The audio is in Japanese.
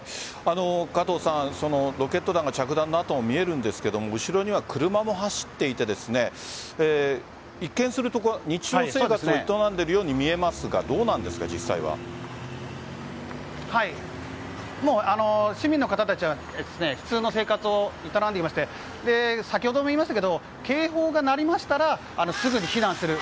加藤さんロケット弾が着弾の跡も見えるんですが後ろには車も走っていて一見すると日常生活を営んでいるように見えますが市民の方たちは普通の生活を営んでいまして先ほども言いましたが警報が鳴りましたらすぐに避難する。